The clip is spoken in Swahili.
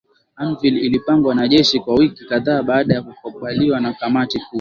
Anvil ilipangwa na jeshi kwa wiki kadhaa baada ya kukubaliwa na kamati kuu